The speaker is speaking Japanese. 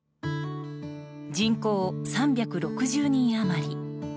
人口３６０人余り。